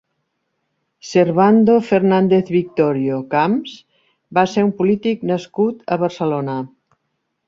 Servando Fernández-Victorio Camps va ser un polític nascut a Barcelona.